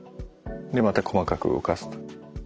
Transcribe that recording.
でまた細かく動かすと。